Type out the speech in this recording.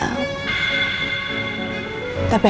aku gak boleh berpikir pikir